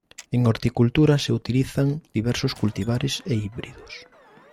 En horticultura se utilizan diversos cultivares e híbridos.